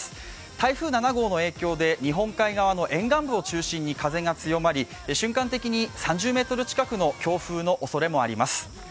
台風７号の影響で日本海側の沿岸部を中心に風が強まり瞬間的に３０メートル近くの強風のおそれもあります。